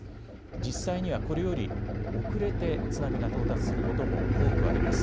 実際にはこれより遅れて津波が到達することも多くあります。